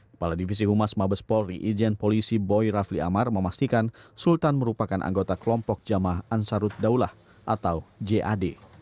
kepala divisi humas mabes polri ijen polisi boy rafli amar memastikan sultan merupakan anggota kelompok jamaah ansarut daulah atau jad